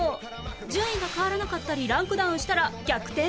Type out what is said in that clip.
順位が変わらなかったりランクダウンしたら逆転失敗